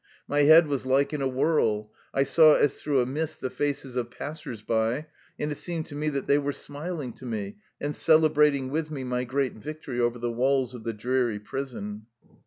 My head was like in a whirl. I saw as through a mist the faces of passers by, and it seemed to me that they were smiling to me and celebrating with me my great victory over the walls of the dreary prison.